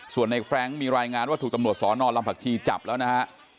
ส่วนในแฟรงค์มีรายงานว่าถูกตำรวจสอนอนลำผักชีจับแล้วนะฮะ